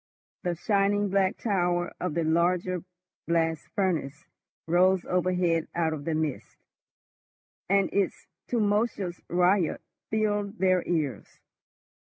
The shining black tower of the larger blast furnace rose overhead out of the mist, and its tumultuous riot filled their ears.